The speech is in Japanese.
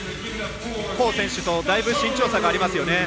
コー選手とだいぶ身長差がありますよね。